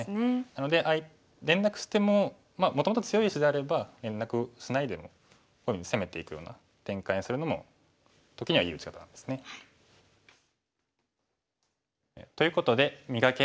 なので連絡してももともと強い石であれば連絡しないでもこういうふうに攻めていくような展開にするのも時にはいい打ち方なんですね。ということで「磨け！